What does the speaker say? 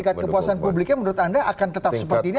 tingkat kepuasan publiknya menurut anda akan tetap seperti ini